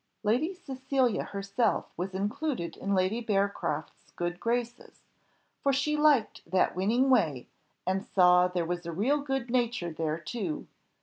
Lady Cecilia herself was included in Lady Bearcroft's good graces, for she liked that winning way, and saw there was a real good nature there, too.